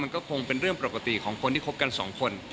คงเป็นเรื่องปกติของคนที่คบกันสองคน